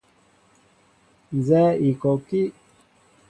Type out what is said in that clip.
Nzɛ́ɛ́ íkukí kɔɔfí í sínti wɔ nɛ́ u wə̄ə̄.